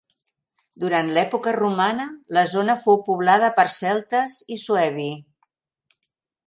Durant l'època romana, la zona fou poblada per celtes i suebi.